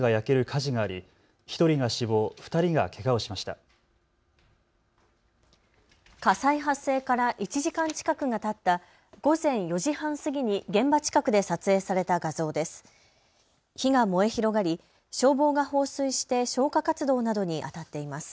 火災発生から１時間近くがたった午前４時半過ぎに現場近くで撮影された画像です。